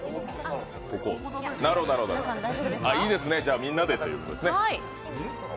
いいですね、みんなでということですね。